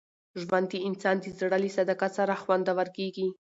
ژوند د انسان د زړه له صداقت سره خوندور کېږي.